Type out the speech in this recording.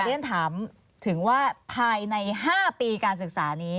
เรียนถามถึงว่าภายใน๕ปีการศึกษานี้